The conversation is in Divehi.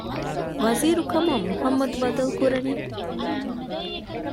ވަޒީރުކަމަށް މުޙައްމަދު ބަދަލުކުރަނީ؟